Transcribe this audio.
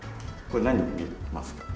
これ何に見えますか？